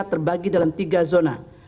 terbagi dalam tiga zona